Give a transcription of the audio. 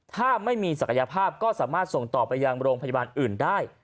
ถ้าไม่มีศักยภาพก็สามารถส่งต่อไปยังโรงพยาบาลอื่นได้